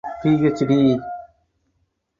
Bhd.